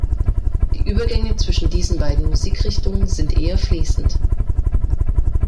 Die Übergänge zwischen diesen beiden Musikrichtungen sind eher fließend.